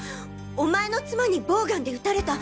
「お前の妻にボウガンで撃たれた。